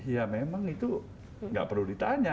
ya memang itu nggak perlu ditanya